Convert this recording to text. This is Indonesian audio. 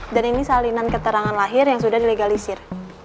dan ini salinan keterangan lahir yang sudah dilegalisir